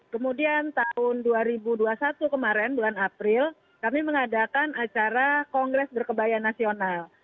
kemudian tahun dua ribu dua puluh satu kemarin bulan april kami mengadakan acara kongres berkebaya nasional